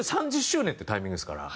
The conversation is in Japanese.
３０周年ってタイミングですから。